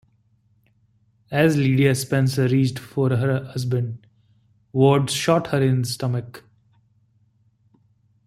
As Lydia Spencer reached for her husband, Ward shot her in the stomach.